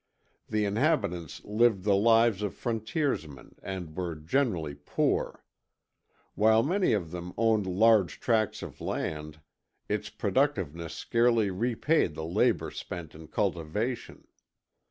The inhabitants lived the lives of frontiersmen and were generally poor. While many of them owned large tracts of land, its productiveness scarcely repaid the labor spent in cultivation.